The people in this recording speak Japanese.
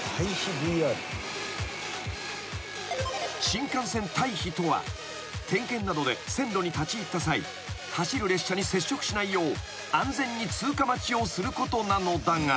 ［新幹線待避とは点検などで線路に立ち入った際走る列車に接触しないよう安全に通過待ちをすることなのだが］